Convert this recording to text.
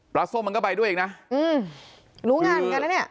ส้มมันก็ไปด้วยอีกนะอืมรู้งานเหมือนกันนะเนี่ย